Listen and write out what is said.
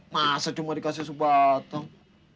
masa cuma dikasih sebatang